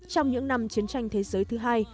trong những năm chiến tranh thế giới thứ hai